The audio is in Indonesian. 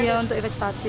iya untuk investasi